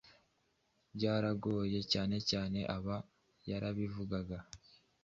Byarangoye cyane cyane aba yarabivugaga.